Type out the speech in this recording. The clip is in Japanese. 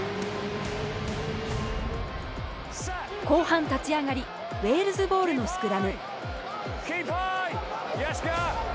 後半立ち上がりウェールズボールのスクラム。